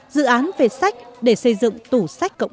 dự án về sách để xây dựng tổ chức